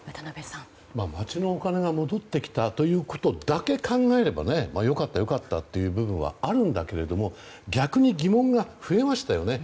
町のお金が戻ってきたということだけ考えれば良かった良かったっていう部分はあるんだけど逆に疑問が増えましたよね。